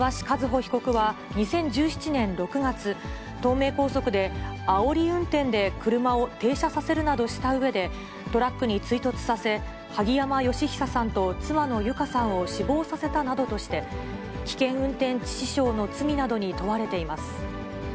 和歩被告は２０１７年６月、東名高速であおり運転で車を停車させるなどしたうえで、トラックに追突させ、萩山嘉久さんと妻の友香さんを死亡させたなどとして、危険運転致死傷の罪などに問われています。